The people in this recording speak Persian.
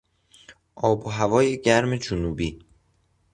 آب هوای گرم جنوبی